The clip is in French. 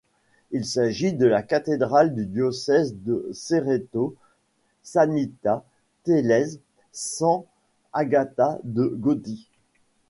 Il s'agit de la cathédrale du diocèse de Cerreto Sannita-Telese-Sant'Agata de' Goti.